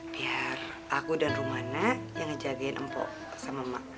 biar aku dan rumana yang ngejagain empok sama emak